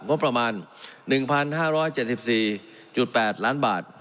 งบประมาณ๑๕๗๔๘ล้านบาท